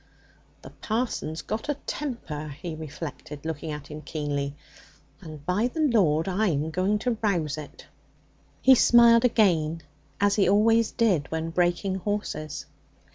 'The parson's got a temper,' he reflected, looking at him keenly, 'and, by the Lord, I'm going to rouse it!' He smiled again as he always did when breaking horses.